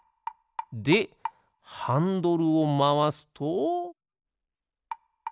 でハンドルをまわすと。